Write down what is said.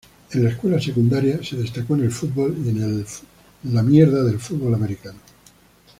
En la escuela secundaria se destacó en el fútbol y en el fútbol americano.